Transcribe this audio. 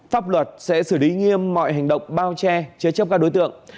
pháp luật sẽ xử lý nghiêm mọi hành động bao che chế chấp các đối tượng